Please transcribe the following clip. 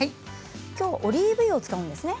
きょうはオリーブ油を使うんですね。